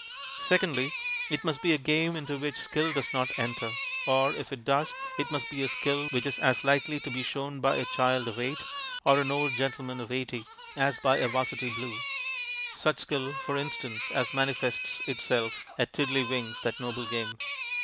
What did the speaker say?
Secondly, it must be a game into which skill does not enter, or, if it does, it must be a skill which is as likely to be shown by a child of eight or an old gentleman of eighty as by a 'Varsity blue. Such skill, for instance, as manifests itself at Tiddleywinks, that noble game.